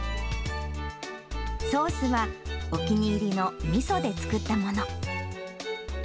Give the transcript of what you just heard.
ソースはお気に入りのみそで作ったもの。